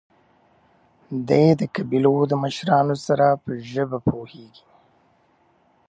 دی د قبيلو له مشرانو سره په ژبه پوهېږي.